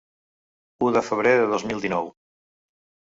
U de febrer de dos mil dinou.